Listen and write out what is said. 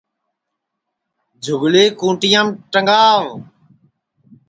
جھُگلی کھُونٚٹِیام ٹگاو